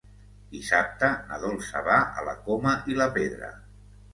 Dissabte na Dolça va a la Coma i la Pedra.